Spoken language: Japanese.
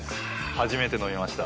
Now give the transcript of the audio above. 初めて飲みました。